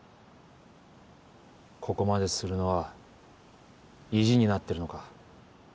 ここまでするのは意地になってるのか？